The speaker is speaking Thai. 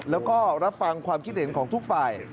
แล้วก็รับฟังความคิดเห็นของทุกฝ่าย